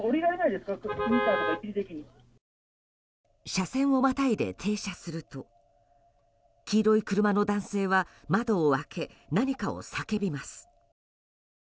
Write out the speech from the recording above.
車線をまたいで停車すると黄色い車の男性は窓を開け何かを叫びます。